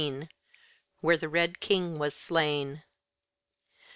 Where the Red King was slain.